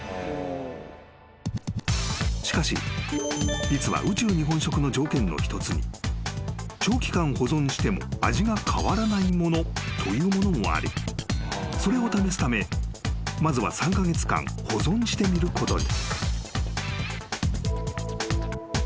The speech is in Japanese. ［しかし実は宇宙日本食の条件の一つに長期間保存しても味が変わらないものというものもありそれを試すためまずは３カ月間保存してみることに］